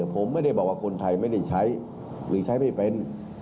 ผมไม่ได้บอกว่าคนไทยไม่ได้ใช้หรือใช้ไม่เป็น